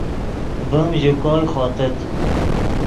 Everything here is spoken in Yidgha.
ڤیم ژے کوئے خوتیت